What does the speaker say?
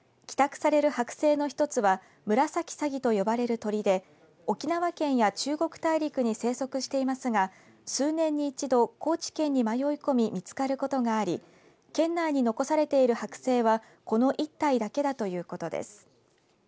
寄託される剥製の１つはムラサキサギと呼ばれる鳥で沖縄県や中国大陸に生息していますが数年に一度、高知県に迷い込み見つかることがあり県内に残されている剥製はこの１体だけだということです。